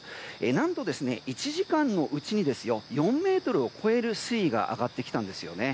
何と１時間のうちに４ｍを超える水位が上がってきたんですよね。